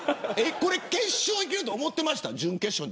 決勝いけると思っていましたか。